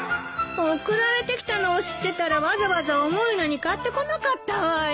送られてきたのを知ってたらわざわざ重いのに買ってこなかったわよ。